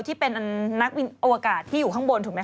ที่เป็นนักบินอวกาศที่อยู่ข้างบนถูกไหมค